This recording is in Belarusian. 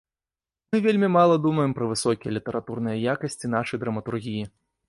Мы вельмі мала думаем пра высокія літаратурныя якасці нашай драматургіі.